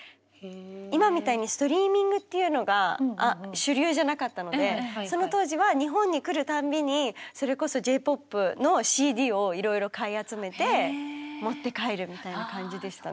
今みたいにストリーミングっていうのが主流じゃなかったのでその当時は日本に来るたんびにそれこそＪ−ＰＯＰのＣＤをいろいろ買い集めて持って帰るみたいな感じでしたね。